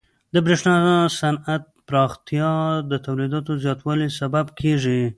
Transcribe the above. د برېښنا صنعت پراختیا د تولیداتو زیاتوالي سبب کیږي.